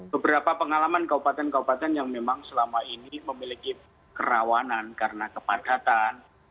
beberapa pengalaman kabupaten kabupaten yang memang selama ini memiliki kerawanan karena kepadatan